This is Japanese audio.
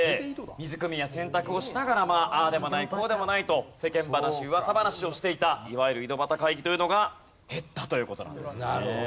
水くみや洗濯をしながらああでもないこうでもないと世間話噂話をしていたいわゆる井戸端会議というのが減ったという事なんですね。